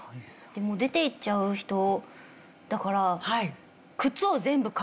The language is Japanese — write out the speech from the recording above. でも出て行っちゃう人だから。